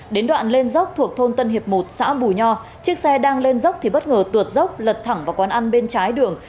đến đoạn lên dốc thuộc thôn tân hiệp một xã bù nho chiếc xe đang lên dốc thì bất ngờ tuột dốc lật thẳng vào quán ăn bên trái đường